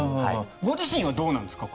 ご自身はどうなんですか？